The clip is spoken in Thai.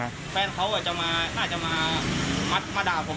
แฟนเขาอาจจะมาน่าจะมาด่าผม